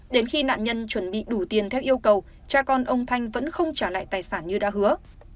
đến khi nạn nhân chuẩn bị đủ tiền theo yêu cầu cha con ông thanh vẫn không trả lại tài sản như đã hứa